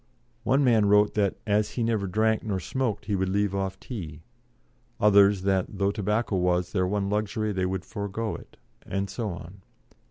One man wrote that as he never drank nor smoked he would leave off tea; others that though tobacco was their one luxury, they would forego it; and so on.